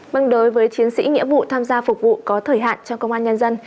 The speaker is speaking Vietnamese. vâng đối với chiến sĩ nghĩa vụ tham gia phục vụ có thời hạn cho công an nhân dân